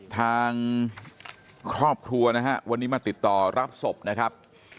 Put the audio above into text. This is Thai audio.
ทางครอบครัวนะฮะวันนี้มาติดต่อรับศพนะครับ